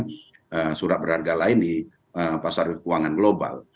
menggunakan surat berharga lain di pasar keuangan global